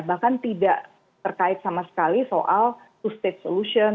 bahkan tidak terkait sama sekali soal solution